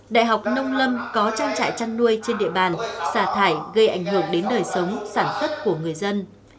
đại học nông lâm có trang trại chăn nuôi trên địa bàn xả thải gây ảnh hưởng đến đời sống sản xuất của người dân